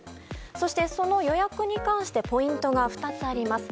そして、その予約に関してポイントが２つあります。